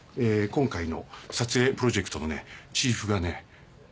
今回の撮影プロジェクトのねチーフがねいないね。